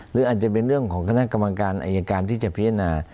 หรืออาจจะเป็นเรื่องของคณะกรรมการอายการที่จะพิจารณา